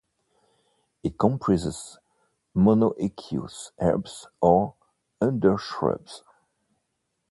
It comprises monoecious herbs or undershrubs.